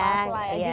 pas lah ya